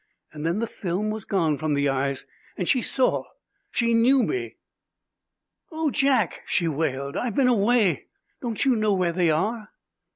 Then the film was gone from the eyes and she saw she knew me! "Oh, Jack!" she wailed, "I have been away. Don't you know where they are?"